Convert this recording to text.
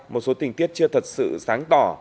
một số tình tiết chưa thật sự sáng tỏ